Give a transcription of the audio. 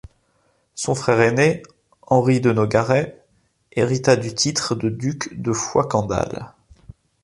Son frère aîné Henri de Nogaret, hérita du titre de duc de Foix-Candale.